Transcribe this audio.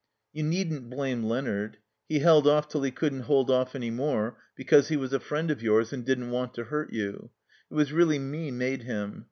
You needn't blame Leonard. He held off till he couldn't hold off any more, because he was a friend of yours and didn't want to hurt you. It was really me made him.